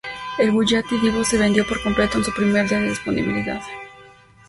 El Bugatti Divo se vendió por completo en su primer día de disponibilidad.